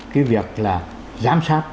cái việc là giám sát